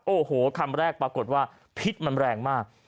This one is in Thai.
โอ้โหคำแรกปรากฏว่าพิษมันแรงมาก